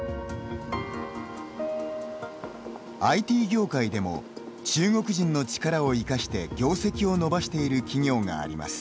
ＩＴ業界でも中国人の力を生かして業績を伸ばしている企業があります。